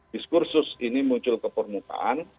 diskursus ini muncul ke permukaan